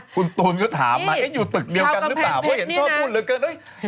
คุณตูนก็ถามมาอยู่ตึกเดียวกันหรือเปล่าเพราะเห็นชอบพูดเหลือเกิน